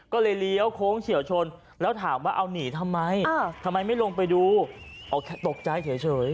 ก็เลยเลี้ยวโค้งเฉียวชนแล้วถามว่าเอาหนีทำไมทำไมไม่ลงไปดูเอาแค่ตกใจเฉย